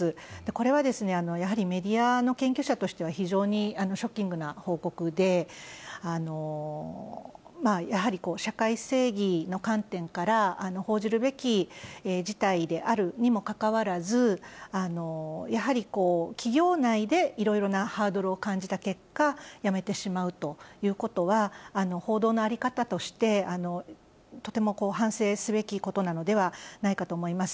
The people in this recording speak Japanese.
これはやはりメディアの研究者としては、非常にショッキングな報告で、やはり社会正義の観点から報じるべき事態であるにもかかわらず、やはり企業内でいろいろなハードルを感じた結果、やめてしまうということは、報道の在り方として、とても反省すべきことなのではないかなと思います。